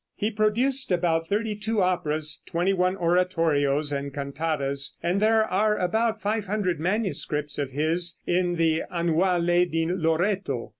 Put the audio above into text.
He produced about thirty two operas, twenty one oratorios and cantatas, and there are about 500 manuscripts of his in the "Annuale di Loreto."